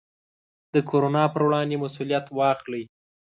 د کورونا پر وړاندې مسوولیت واخلئ.